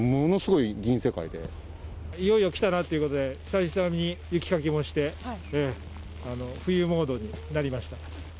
いよいよ来たなということで、久々に雪かきもして、冬モードになりました。